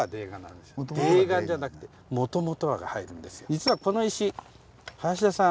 実はこの石林田さん